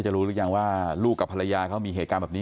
โอ้โหน้ำลูกน้ำแหน่งนะ